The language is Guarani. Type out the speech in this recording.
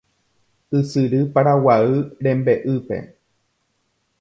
ysyry Paraguay rembe'ýpe